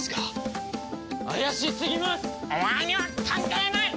お前には関係ない！